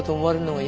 はい。